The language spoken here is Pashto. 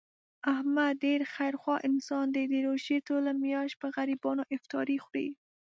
احمد ډېر خیر خوا انسان دی، د روژې ټوله میاشت په غریبانو افطاري خوري.